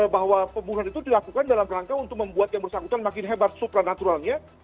bahwa pembunuhan itu dilakukan dalam rangka untuk membuat yang bersangkutan makin hebat supranaturalnya